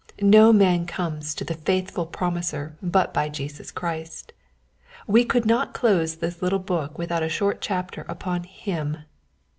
No man comes to the Faith ful Promiser but by Jesus Christ. We could not close this little book without a short chapter upon HIM.